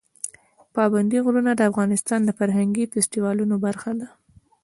پابندي غرونه د افغانستان د فرهنګي فستیوالونو برخه ده.